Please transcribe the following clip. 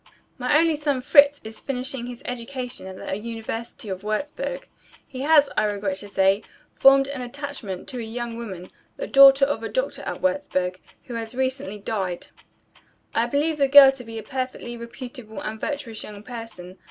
"My only son Fritz is finishing his education at the university of Wurzburg. He has, I regret to say, formed an attachment to a young woman, the daughter of a doctor at Wurzburg, who has recently died. I believe the girl to be a perfectly reputable and virtuous young person.